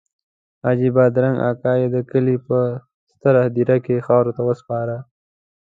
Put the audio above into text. حاجي بادرنګ اکا یې د کلي په ستره هدیره کې خاورو ته وسپاره.